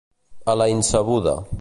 A la insabuda.